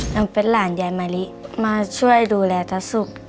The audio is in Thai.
ยังเป็นหลานยายมะลิมาช่วยดูแลตาสุก